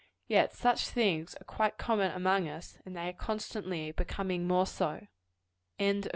Yet such things are quite common among as, and they are constantly becoming more so. CHAPTER XXI.